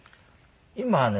今はね